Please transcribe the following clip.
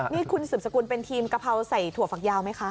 นี่คุณสืบสกุลเป็นทีมกะเพราใส่ถั่วฝักยาวไหมคะ